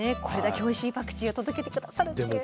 これだけおいしいパクチーを届けて下さるって。